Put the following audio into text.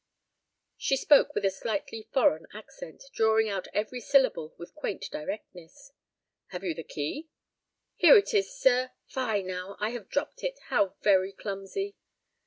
She spoke with a slightly foreign accent, drawing out every syllable with quaint directness. "Have you the key?" "Here it is, sir. Fie, now, I have dropped it; how very clumsy!"